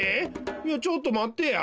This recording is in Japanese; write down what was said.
いやちょっとまってや。